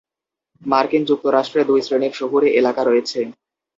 মার্কিন যুক্তরাষ্ট্রে দুই শ্রেণীর শহুরে এলাকা রয়েছে।